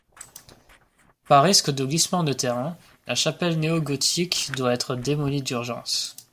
Par risque de glissement de terrain, la chapelle néo-gothique doit être démolie d'urgence.